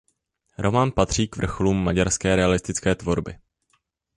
Román patří k vrcholům maďarské realistické tvorby.